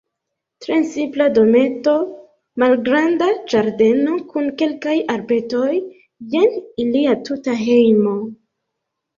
Tre simpla dometo, malgranda ĝardeno kun kelkaj arbetoj, jen ilia tuta hejmo.